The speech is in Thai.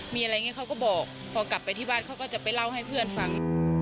มีอะไรอย่างนี้เขาก็บอกพอกลับไปที่บ้านเขาก็จะไปเล่าให้เพื่อนฟัง